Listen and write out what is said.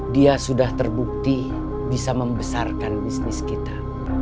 dia sudah terbukti bisa membesarkan bisnis kita